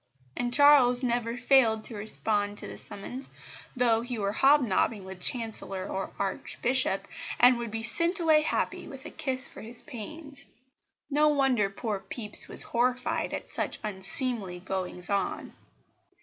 And Charles never failed to respond to the summons, though he were hobnobbing with chancellor or archbishop, and would be sent away happy, with a kiss for his pains. No wonder poor Pepys was horrified at such unseemly goings on.